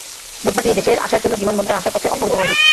বুধবার তিনি দেশের আসার জন্য বিমান বন্দরে আসার পথে অপহৃত হন।